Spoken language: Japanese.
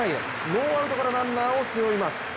ノーアウトからランナーを背負います。